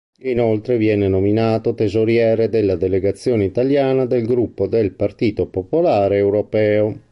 Inoltre viene nominato tesoriere della delegazione italiana del gruppo del Partito Popolare Europeo.